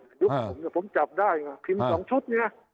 ยุคผมเนี่ยผมจับได้พิมพ์สองชุดเนี่ย